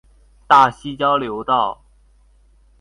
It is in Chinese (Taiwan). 大溪交流道